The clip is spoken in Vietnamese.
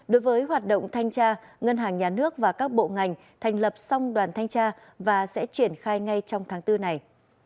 đối với hoạt động thanh tra ngân hàng nhà nước và các bộ ngành thành lập song đoàn thanh tra và sẽ triển khai ngay trong tháng bốn này